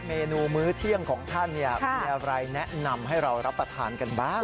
เมนูมื้อเที่ยงของท่านมีอะไรแนะนำให้เรารับประทานกันบ้าง